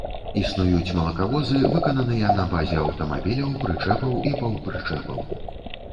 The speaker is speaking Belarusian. Існуюць малакавозы, выкананыя на базе аўтамабіляў, прычэпаў і паўпрычэпаў.